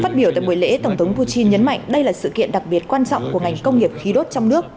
phát biểu tại buổi lễ tổng thống putin nhấn mạnh đây là sự kiện đặc biệt quan trọng của ngành công nghiệp khí đốt trong nước